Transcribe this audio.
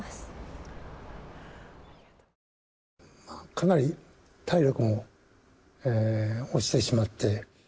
かなり体力も落ちてしまって。